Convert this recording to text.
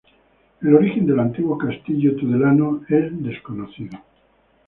El origen del antiguo castillo tudelano es desconocido.